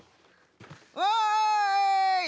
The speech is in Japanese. おい！